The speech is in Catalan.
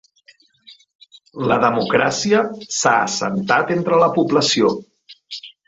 La democràcia s'ha assentat entre la població.